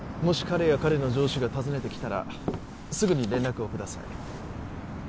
もし彼や彼の上司が訪ねてきたらすぐに連絡をください